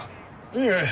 いいえ。